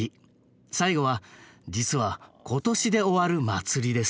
最後は実は今年で終わる祭りです。